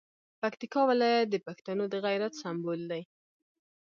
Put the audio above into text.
پکتیکا ولایت د پښتنو د غیرت سمبول دی.